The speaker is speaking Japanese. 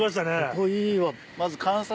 ここいいわ。